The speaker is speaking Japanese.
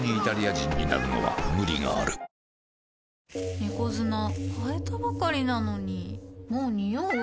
猫砂替えたばかりなのにもうニオう？